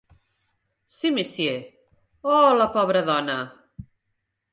Sí, monsieur... Oh, la pobra dona!